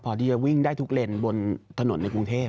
พอที่จะวิ่งได้ทุกเลนบนถนนในกรุงเทพ